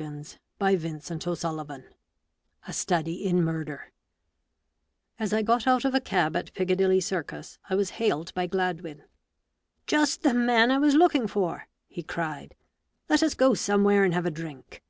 A STUDY IN MURDER A STUDY IN MURDER As I got out of a cab at Piccadilly Circus, I was hailed by Gladwin. " Just the man I was looking for !" he cried. " Let us go somewhere and have a drink."